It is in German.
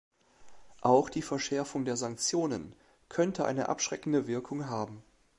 Auch die Verschärfung der Sanktionen könnte eine abschreckende Wirkung haben.